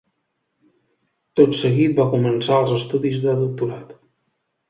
Tot seguit va començar els estudis de doctorat.